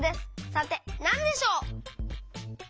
さてなんでしょう？